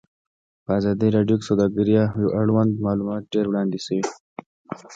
په ازادي راډیو کې د سوداګري اړوند معلومات ډېر وړاندې شوي.